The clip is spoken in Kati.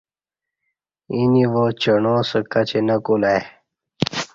ییں نِوا ڄݨا سہ کچی نہ کُلہ ای